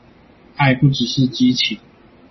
愛不只是激情